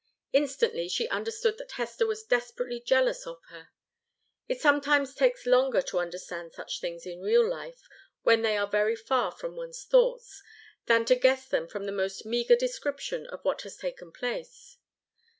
Instantly, she understood that Hester was desperately jealous of her. It sometimes takes longer to understand such things in real life, when they are very far from one's thoughts, than to guess them from the most meagre description of what has taken place.